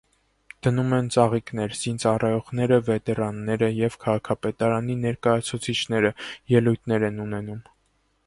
Դնում են ծաղիկներ, զինծառայողները, վետերանները և քաղաքապետարանի ներկայացուցիչները ելույթներ են ունենում։